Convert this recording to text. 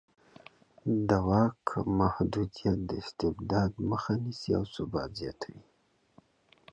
د واک محدودیت د استبداد مخه نیسي او ثبات زیاتوي